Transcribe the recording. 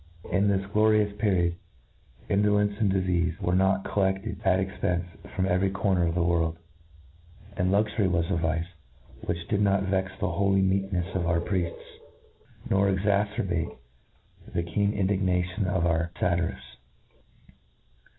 In this glorious perbd, indolence and difeafe were not collided, at high expence, from every corner of the world; atid luxury was a vice which did not vex the ho ly meckiiefs of our priefts, nor cxafpcrate the keen indignation of our faty rifts.